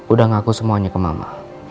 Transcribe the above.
udah ngaku semuanya ke mama